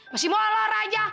masih mau lor lor aja